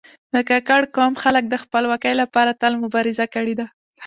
د کاکړ قوم خلک د خپلواکي لپاره تل مبارزه کړې ده.